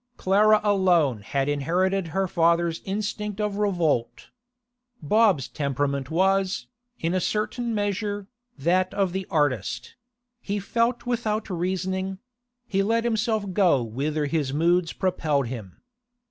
Clara alone had inherited her father's instinct of revolt. Bob's temperament was, in a certain measure, that of the artist; he felt without reasoning; he let himself go whither his moods propelled him.